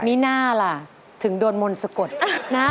มีน่าล่ะถึงโดนมนต์สะกดนะ